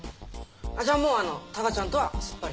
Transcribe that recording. じゃあもうあのタカちゃんとはすっぱり？